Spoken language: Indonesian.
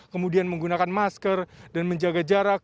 kemudian menggunakan masker dan menjaga jarak